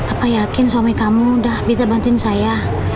apa yakin suami kamu udah bisa bantuin saya